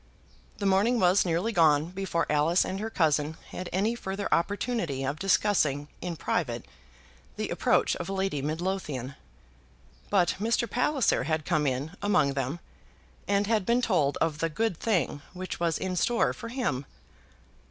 The morning was nearly gone before Alice and her cousin had any further opportunity of discussing in private the approach of Lady Midlothian; but Mr. Palliser had come in among them, and had been told of the good thing which was in store for him.